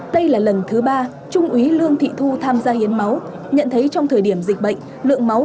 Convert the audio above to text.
đây là lần thứ ba trung úy lương thị thu tham gia hiến máu nhận thấy trong thời điểm dịch bệnh lượng máu